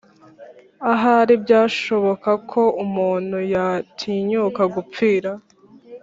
ahari byashoboka ko umuntu yatinyuka gupfira